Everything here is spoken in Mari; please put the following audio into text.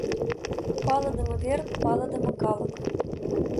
Палыдыме вер, палыдыме калык!